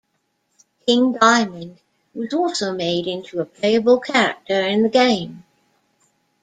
King Diamond was also made into a playable character in the game.